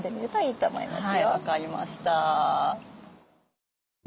はい分かりました。